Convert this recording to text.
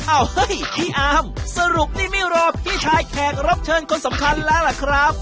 เฮ้ยพี่อาร์มสรุปนี่ไม่รอพี่ชายแขกรับเชิญคนสำคัญแล้วล่ะครับ